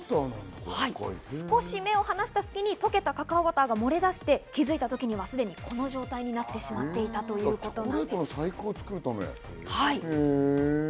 少し目を離した隙に溶けたカカオバターが漏れ出して気づいた時にはこの状態になってしまっていたということです。